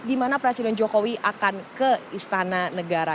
di mana presiden jokowi akan ke istana negara